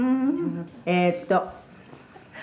えっと」